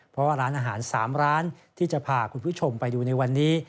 เพราะว่าร้านอาหาร๓ร้านที่จะพาคุณผู้ชมไปดูในวันนี้